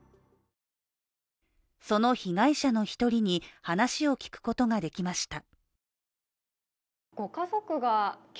その被害者の一人に話を聞くことができました。